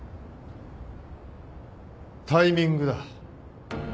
タイミングだ。